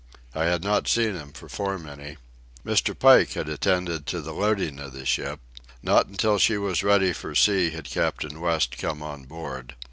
I had not seen him perform any. Mr. Pike had attended to the loading of the ship. Not until she was ready for sea had Captain West come on board.